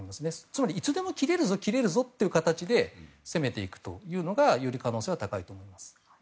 つまりいつでも切れるぞ切れるぞという形で攻めていくというのがより可能性は高いと思います。